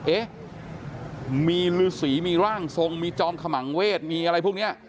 เอ๊ะมีฤษีมีร่างทรงมีจอมขมังเวทมีอะไรพวกนี้